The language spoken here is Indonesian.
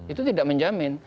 itu tidak menjamin